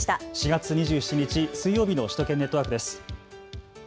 ４月２７日水曜日の首都圏ネットワークです。